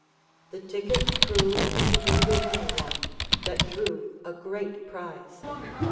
The ticket proved to be the winning one, that drew a great prize.